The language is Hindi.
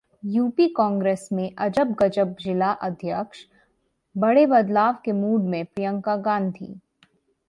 यूपी कांग्रेस में अजब-गजब जिला अध्यक्ष, बड़े बदलाव के मूड में प्रियंका गांधी